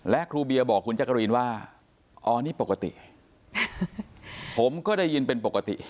และครูเบียบอกคุณจักรีนว่าอ๋อนี่ปกติผมก็ได้ยินเป็นปกติ